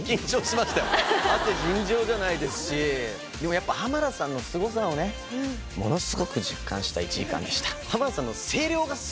あと尋常じゃないですしやっぱ浜田さんのすごさをねものすごく実感した１時間でした。